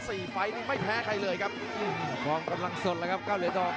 อื้อฮือพร้อมกำลังสดแล้วครับเก้าเหรียญทอง